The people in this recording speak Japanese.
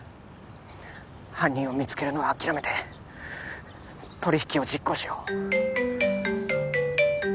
犯人を見つけるのは諦めて取り引きを実行しよう